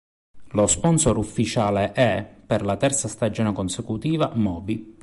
Lo sponsor ufficiale è, per la terza stagione consecutiva, "Moby".